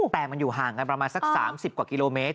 แต่มันอยู่ห่างกันประมาณสัก๓๐กว่ากิโลเมตร